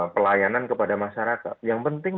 pelayanan kepada masyarakat yang penting